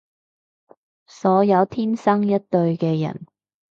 所有天生一對嘅人